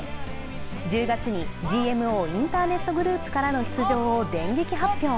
１０月にＧＭＯインターネットグループからの出場を電撃発表。